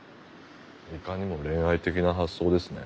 いかにも恋愛的な発想ですね。